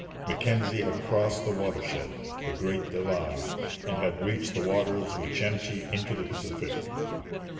Mackenzie had crossed the watershed, the Great Divide, and had reached the waters which empty into the Pacific.